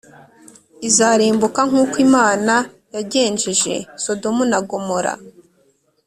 izarimbuka nk’uko Imana yagenjeje Sodoma na Gomora.